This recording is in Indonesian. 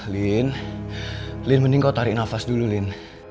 lin lin mending kau tarik nafas dulu lin